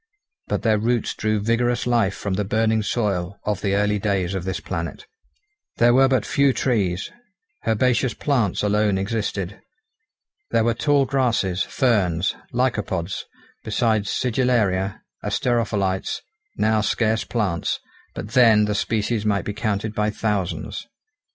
But their roots drew vigorous life from the burning soil of the early days of this planet. There were but few trees. Herbaceous plants alone existed. There were tall grasses, ferns, lycopods, besides sigillaria, asterophyllites, now scarce plants, but then the species might be counted by thousands.